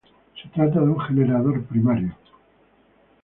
Se trata de un generador primario.